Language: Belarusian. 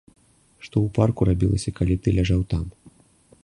Што ў парку рабілася, калі ты ляжаў там?